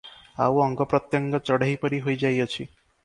ଆଉ ଅଙ୍ଗ ପ୍ରତ୍ୟଙ୍ଗ ଚଢ଼େଇ ପରି ହୋଇ ଯାଇଅଛି ।